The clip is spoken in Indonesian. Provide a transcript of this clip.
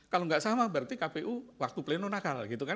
kalau nggak salah berarti kpu waktu pleno nakal gitu kan